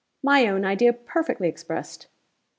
'My own idea perfectly expressed.